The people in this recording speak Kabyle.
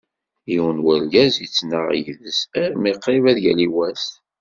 Yiwen n urgaz ittnaɣ yid-s armi qrib ad yali wass.